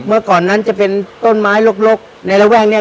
เมื่อก่อนนั้นจะเป็นต้นไม้ลกในระแวกนี้